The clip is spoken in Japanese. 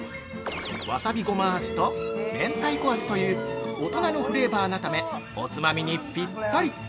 「わさびごま味」と「明太子味」という大人のフレーバーなため、おつまみにピッタリ！